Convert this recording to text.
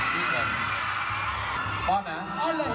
เกือบแล้ว